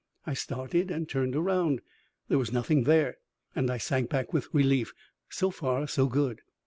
I started and turned around. There was nothing there, and I sank back with relief. So far so good.